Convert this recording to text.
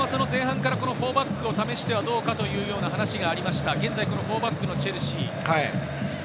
前半から４バックを試してはどうかというようなお話もありましたが、現在４バックのチェルシー。